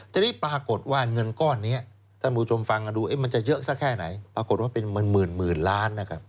ทีนี้ปรากฏว่าเงินก้อนนี้ท่านผู้ชมฟังกันดูมันจะเยอะสักแค่ไหนปรากฏว่าเป็นหมื่นล้านนะครับ